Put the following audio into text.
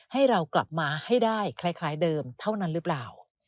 ให้เรากลับมาให้ได้คล้ายเดิมเท่านั้นหรือเปล่า